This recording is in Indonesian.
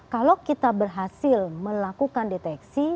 kalau kita berhasil melakukan deteksi